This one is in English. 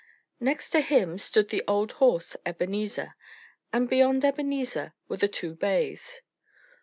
Next to him stood the old horse Ebenezer; and beyond Ebenezer were the two bays.